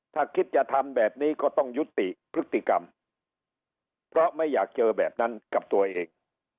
ถ้าคิดจะทำแบบนี้ก็ต้องยุติพฤติกรรมเพราะไม่อยากเจอแบบนั้นกับตัวเอง